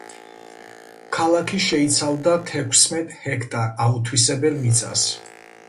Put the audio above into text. ქალაქი შეიცავდა თექვსმეტ ჰექტარ აუთვისებელ მიწას.